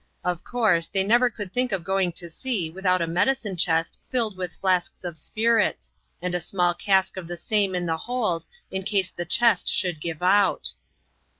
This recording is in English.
Of course, they never could think of going to sea without a medicine chest filled with flasks of spirits, and a small cask of the same in the hold, in case the chest should give out.